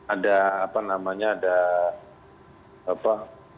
ada apa namanya ada apa